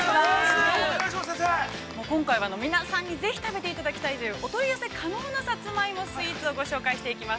◆今回は皆さんに、ぜひ食べていただきたいというお取り寄せ可能なさつまいもスイーツを紹介していきます。